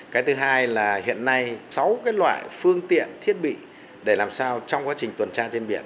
cái thứ hai là hiện nay sáu loại phương tiện thiết bị để làm sao trong quá trình tuần tra trên biển